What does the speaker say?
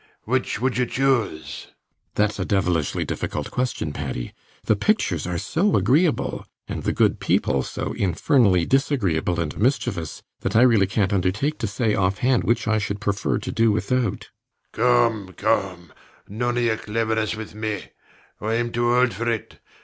Which would you choose? RIDGEON. Thats a devilishly difficult question, Paddy. The pictures are so agreeable, and the good people so infernally disagreeable and mischievous, that I really cant undertake to say offhand which I should prefer to do without. SIR PATRICK. Come come! none of your cleverness with me: I'm too old for it.